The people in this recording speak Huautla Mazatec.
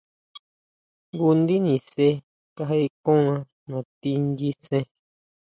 Jngu ndi nise kajeʼe konna nati nyisen.